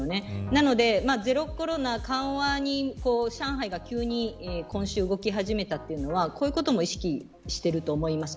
なので、ゼロコロナ緩和に上海が急に動き始めたというのはこういうことも意識していると思います。